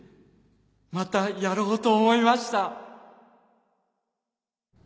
またやろうと思いました